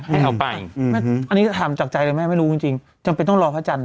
ให้เอาไปอันนี้ถามจากใจเลยแม่ไม่รู้จริงจริงจำเป็นต้องรอพระจันทร์